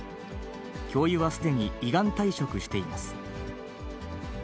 教諭はすでに依願退職しています。